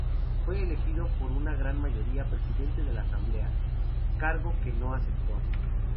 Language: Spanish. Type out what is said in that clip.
Fue elegido por una gran mayoría presidente de la asamblea, cargo que no aceptó.